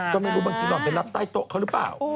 ก็ไม่รู้บางทีหล่อนไปรับใต้โต๊ะเขาหรือเปล่า